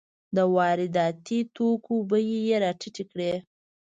د وارداتي توکو بیې یې راټیټې کړې.